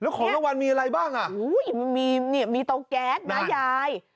แล้วของรางวัลมีอะไรบ้างอ่ะมันมีเตาแก๊สนะยาย